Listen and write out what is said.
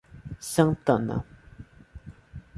Santana